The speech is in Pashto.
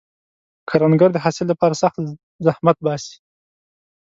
کروندګر د حاصل لپاره سخت زحمت باسي